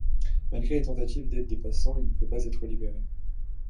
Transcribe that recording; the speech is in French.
Malgré les tentatives d'aide des passants, il ne peut pas être libéré.